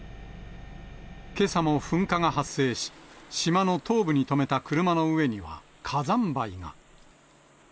けさも噴火が発生し、島の東部に止めた車の上には火山灰が。